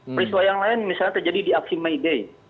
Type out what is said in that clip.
peristiwa yang lain misalnya terjadi di aksi mayday